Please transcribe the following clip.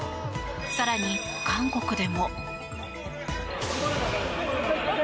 更に韓国でも。